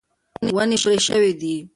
ونې پرې شوې دي.